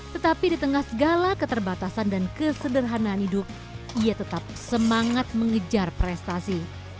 tetapi di tengah segala keterbatasan dan kesederhanaan hidup ia tetap semangat mengejar prestasi